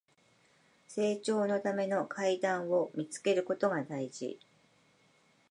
成長のための階段を見つけることが大事